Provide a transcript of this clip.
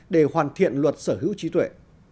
để hoàn thiện luật sở hữu trí tuệ